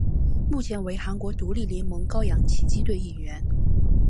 目前为韩国独立联盟高阳奇迹队一员。